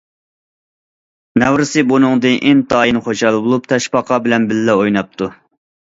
نەۋرىسى بۇنىڭدىن ئىنتايىن خۇشال بولۇپ، تاشپاقا بىلەن بىللە ئويناپتۇ.